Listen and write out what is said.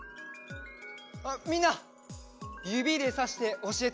みんなゆびでさしておしえて！